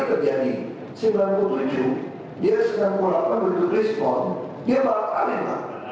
pada saat ditangkap kasus kemarin